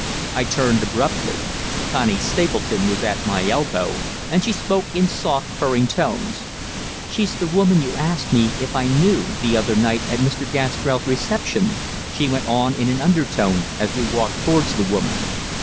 I turned abruptly. Connie Stapleton was at my elbow, and she spoke in soft, purring tones. "She's the woman you asked me if I knew, the other night at Mr. Gastrell's reception," she went on in an undertone, as we walked towards the woman.